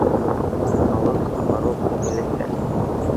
Халыҡ апаруҡ күңелләнде